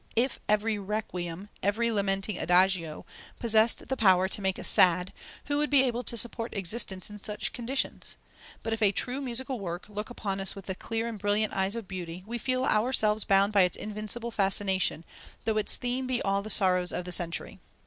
"If every Requiem, every lamenting Adagio, possessed the power to make us sad, who would be able to support existence in such conditions? But if a true musical work look upon us with the clear and brilliant eyes of beauty, we feel ourselves bound by its invincible fascination, though its theme be all the sorrows of the century."